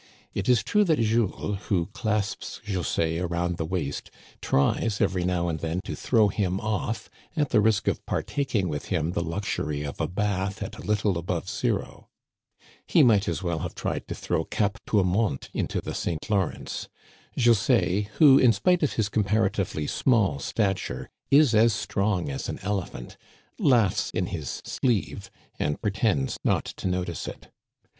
It is true that Jules, who clasps José around the waist, tries every now and then to throw him off, at the risk of partaking with him the luxury of a bath at a little above zero. He might as well have tried to throw Cape Tour mente into the St. Lawrence. José, who, in spite of his Digitized by VjOOQIC 32 THE CANADIANS OF OLD. comparatively small stature, is as strong as an elephant, laughs in his sleeve and pretends not to notice it.